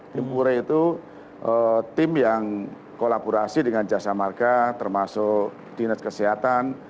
tim ure itu tim yang kolaborasi dengan jasa marga termasuk dinas kesehatan